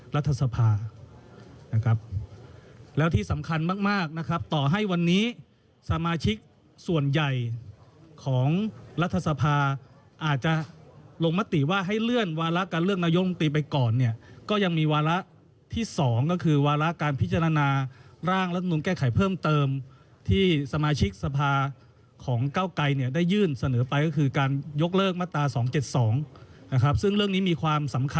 รัฐสภานะครับแล้วที่สำคัญมากนะครับต่อให้วันนี้สมาชิกส่วนใหญ่ของรัฐสภาอาจจะลงมติว่าให้เลื่อนวาระการเลือกนายกรรมตรีไปก่อนเนี่ยก็ยังมีวาระที่๒ก็คือวาระการพิจารณาร่างรัฐมนุนแก้ไขเพิ่มเติมที่สมาชิกสภาของเก้าไกรเนี่ยได้ยื่นเสนอไปก็คือการยกเลิกมาตรา๒๗๒นะครับซึ่งเรื่องนี้มีความสำคัญ